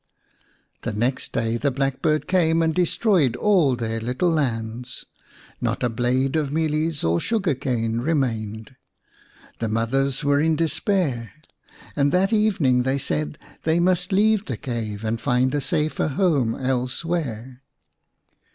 The next day the blackbird came and de stroyed all their little lands. Not a blade of mealies or sugar cane remained. The mothers were in despair, and that evening they said they must leave the cave and find a safer home elsewhere.